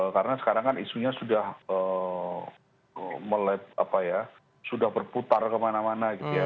karena sekarang kan isunya sudah meled apa ya sudah berputar kemana mana gitu ya